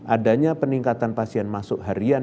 adanya peningkatan pasien masuk harian